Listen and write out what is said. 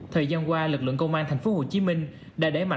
thời gian qua lực lượng công an tp hcm